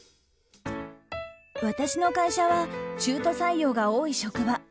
私の会社は中途採用が多い職場。